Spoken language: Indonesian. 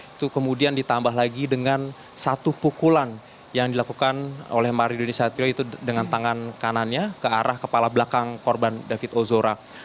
itu kemudian ditambah lagi dengan satu pukulan yang dilakukan oleh mario dandisatrio itu dengan tangan kanannya ke arah kepala belakang korban david ozora